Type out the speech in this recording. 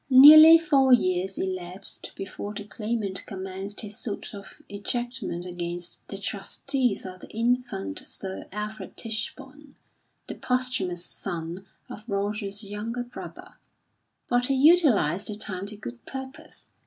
Nearly four years elapsed before the Claimant commenced his suit of ejectment against the trustees of the infant Sir Alfred Tichborne the posthumous son of Roger's younger brother; but he utilised the time to good purpose.